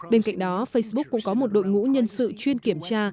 bên cạnh đó facebook cũng có một đội ngũ nhân sự chuyên kiểm tra